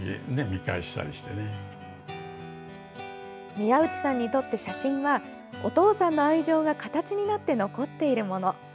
宮内さんにとって写真はお父さんの愛情が形になって残っているもの。